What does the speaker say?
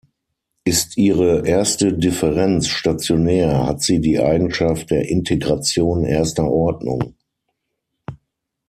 Ist ihre erste Differenz stationär, hat sie die Eigenschaft der Integration erster Ordnung.